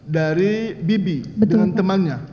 dari bibi dengan temannya